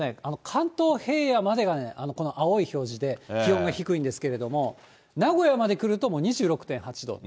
関東平野までがね、この青い表示で、気温が低いんですけれども、名古屋まで来ると、もう２６．８度。